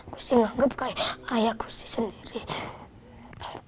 gusti gak kaget kayak ayah gusti sendiri